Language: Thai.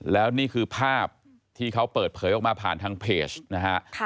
แล้วนี่คือภาพที่เขาเปิดเผยออกมาผ่านทางเพจนะฮะ